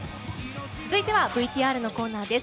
続いてはＶＴＲのコーナーです。